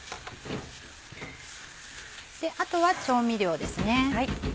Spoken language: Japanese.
あとは調味料ですね。